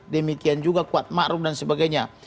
demikian juga kuat makrum dan sebagainya